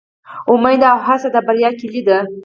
امید او هڅه د بریا کیلي ده